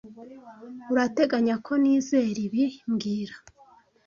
Urateganya ko nizera ibi mbwira